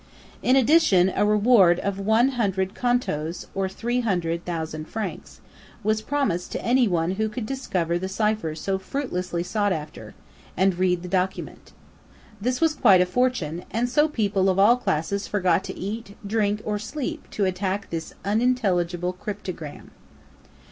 In addition, a reward of one hundred contos (or three hundred thousand francs) was promised to any one who could discover the cipher so fruitlessly sought after and read the document. This was quite a fortune, and so people of all classes forgot to eat, drink, or sleep to attack this unintelligible cryptogram.